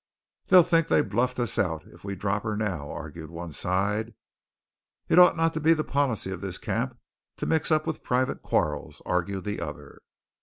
"They'll think they've bluffed us out, if we drop her now," argued one side. "It ought not to be the policy of this camp to mix up with private quarrels," argued the other.